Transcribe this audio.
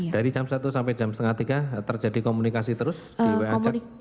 dari jam satu sampai jam setengah tiga terjadi komunikasi terus di wajak